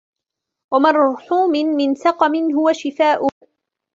وَمَرْحُومٍ مِنْ سَقَمٍ هُوَ شِفَاؤُهُ